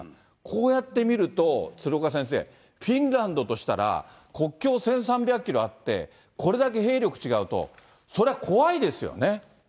こうやって見ると、鶴岡先生、フィンランドとしたら、国境１３００キロあって、これだけ兵力違うと、そりゃ怖いですよね。